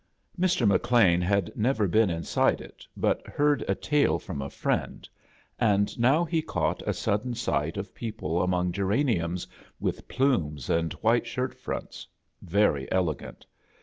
Mr. McLean bad never been inside it, but heard a tale from a friend; and now he caught a sudden sight of people among geraniums, with plumes and white shirt fronts, very elegant.